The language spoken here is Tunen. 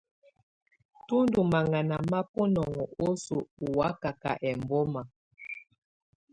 Tù ndù maŋana ma bunɔŋɔ osoo ù wakaka embɔma.